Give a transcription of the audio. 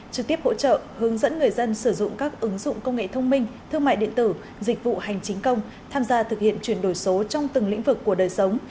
trực tiếp hỗ trợ hướng dẫn người dân sử dụng các ứng dụng công nghệ thông minh thương mại điện tử dịch vụ hành chính công tham gia thực hiện chuyển đổi số trong từng lĩnh vực của đời sống